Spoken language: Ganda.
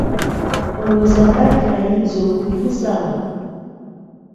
Olowooza Badru ayinza okubimusaba?